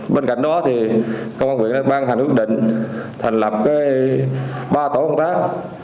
bên cạnh đó công an huyện đã ban hành ước định thành lập ba tổ công tác